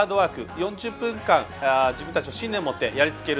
４０分間自分たちの信念をもってやり続ける。